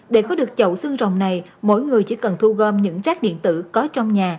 để có được chậu xương rồng này mỗi người chỉ cần thu gom những rác điện tử có trong nhà